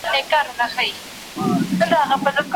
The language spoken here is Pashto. زمونږ پخواني نسل په خپل وخت کي ډېري تېروتني وکړې.